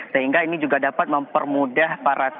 sehingga ini juga dapat mempermudah para